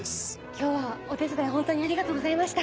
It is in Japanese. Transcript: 今日はお手伝いホントにありがとうございました。